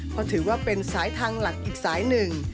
เพราะถือว่าเป็นสายทางหลักอีกสายหนึ่ง